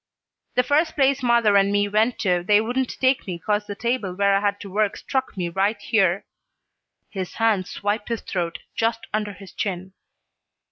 "The first place mother and me went to, they wouldn't take me 'cause the table where I'd had to work struck me right here." His hands swiped his throat just under his chin.